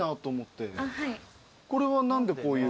これは何でこういう？